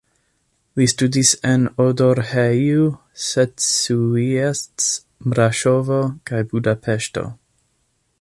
Li studis en Odorheiu Secuiesc, Braŝovo kaj Budapeŝto.